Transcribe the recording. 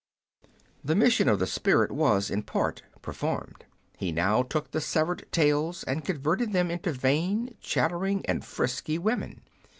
The mission of the spirit was, in part, performed. He now took the severed tails and converted them into vain, chattering, and frisky women.